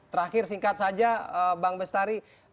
terakhir singkat saja bang bestari